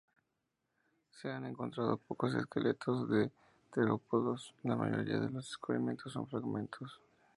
Se han encontrado pocos esqueletos de terópodos, la mayoría de los descubrimientos son fragmentos.